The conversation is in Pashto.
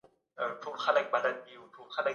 تاسو د سیاست په اړه څه فکر کوئ؟